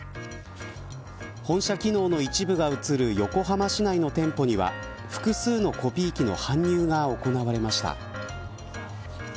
本社機能の一部が移る横浜市内の店舗には複数のコピー機の搬入が行われました。